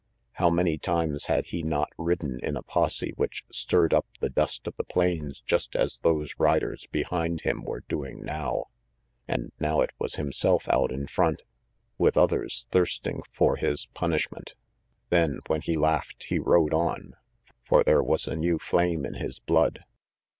How many times had he not ridden in i posse which stirred up the dust of the plains just as those riders behind him were doing now? And now it was himself out in front, with others thirsting for RANGY PETE 279 / his punishment. Then, when he laughed, he rode on; for there was a new flame in his blood.